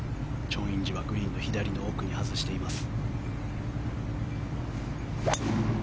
チョン・インジはグリーンの左の奥に外しています。